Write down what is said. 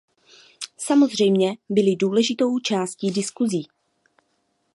Samozřejmě byly důležitou částí diskusí.